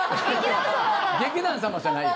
劇団様じゃないよ。